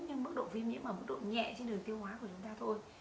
nhưng mức độ viêm nhiễm ở mức độ nhẹ trên đường tiêu hóa của chúng ta thôi